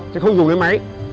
chứ không dùng cái máy